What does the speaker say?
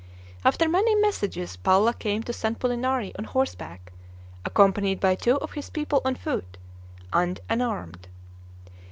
After many messages Palla came to San Pulinari on horseback, accompanied by two of his people on foot, and unarmed.